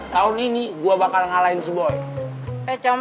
tahun ini gue bakal ikutan